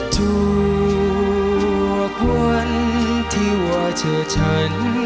ทุกวันวันที่ว่าเจอฉัน